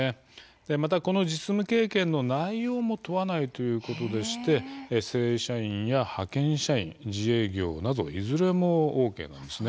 またこの実務経験の内容も問わないということでして正社員や派遣社員自営業などいずれもＯＫなんです。